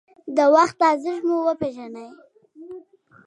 د وخت ارزښت مو وپېژنئ.